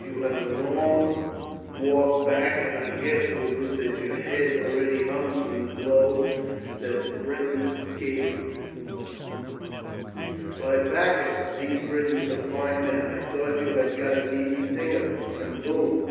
You have a long walk back, and I guess, Lupus, that your head already hums from the blow that Briton gave it. By Bacchus, these Britons are fine men! I thought you had got an easy thing of it, when boom!